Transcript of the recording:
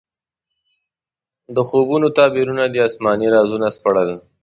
د خوبونو تعبیرونه دې اسماني رازونه سپړل.